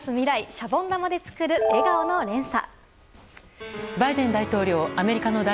シャボン玉で作る笑顔の連鎖。